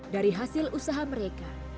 dari hasil usaha mereka